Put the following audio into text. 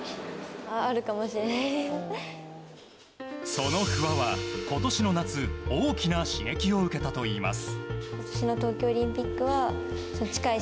その不破は、今年の夏大きな刺激を受けたといいます。